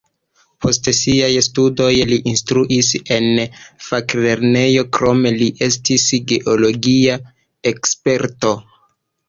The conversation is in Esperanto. Post siaj studoj li instruis en faklernejo, krome li estis geologia eksperto.